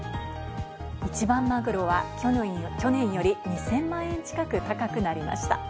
一番マグロは去年より２０００万円近く高くなりました。